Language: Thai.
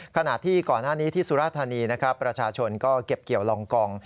ขณะที่ก่อนหน้านี้ที่สุราธานีนะครับประชาชนก็เก็บเกี่ยวลองกอง